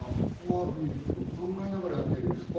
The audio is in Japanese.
いろいろ考えながらやっている。